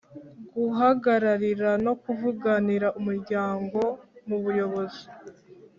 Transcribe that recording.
Guhagararira no kuvuganira Umuryango mu buyobozi,